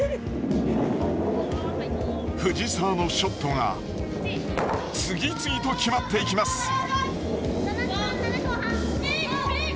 藤澤のショットが次々と決まっていきます。